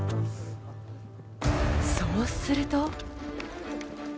そうすると。